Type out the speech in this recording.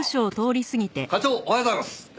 課長おはようございます。